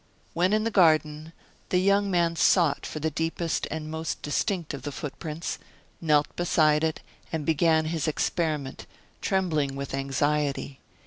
When in the garden, the young man sought for the deepest and most distinct of the footprints, knelt beside it, and began his experiment, trembling with anxiety.